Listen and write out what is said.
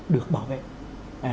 được bảo vệ